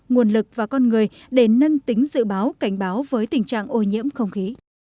nguồn lực và con người để nâng tính dự báo cảnh báo với tình trạng ô nhiễm không khí